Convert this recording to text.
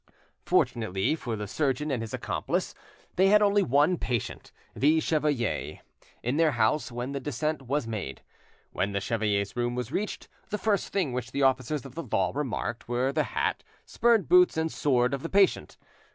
Fortunately for the surgeon and his accomplice, they had only one patient—the chevalier—in their house when the descent was made. When the chevalier's room was reached, the first thing which the officers of the law remarked were the hat, spurred boots, and sword of the patient.